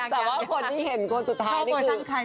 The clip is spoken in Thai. แต่ว่าคนที่เห็นคนสุดท้ายนี่คือ